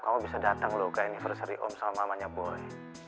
kamu bisa dateng ke anniversary om sama mamanya boy